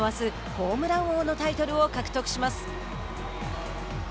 ホームラン王のタイトルを獲得します。